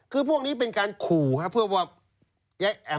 คือพวกนี้เป็นการขู่ครับเพื่อว่า